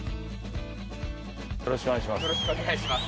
よろしくお願いします。